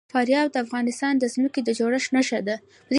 فاریاب د افغانستان د ځمکې د جوړښت نښه ده.